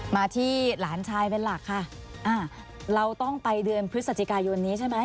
มาที่หลานชายเป็นหลักค่ะอ่าเราต้องไปเดือนพฤศจิกายนนี้ใช่ไหม